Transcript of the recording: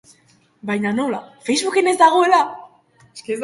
Baina nola, Facebooken ez dagoela?